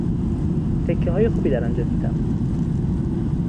تکههای خوبی در آنجا دیدم.